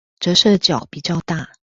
折射角比較大